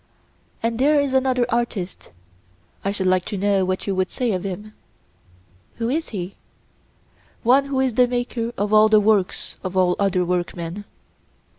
And there is another artist,—I should like to know what you would say of him. Who is he? One who is the maker of all the works of all other workmen.